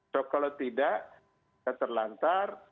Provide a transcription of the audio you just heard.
so kalau tidak kita terlantar